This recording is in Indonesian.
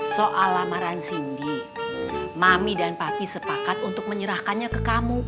soal lamaran cindy mami dan papi sepakat untuk menyerahkannya ke kamu